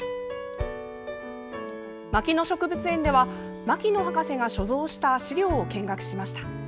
牧野植物園では、牧野博士が所蔵した資料を見学しました。